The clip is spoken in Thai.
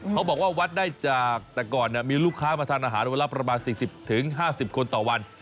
เขาบอกว่าวัดได้จากแต่ก่อนมีลูกค้ามาทานอาหารวันละประมาณ๔๐๕๐คนต่อวัน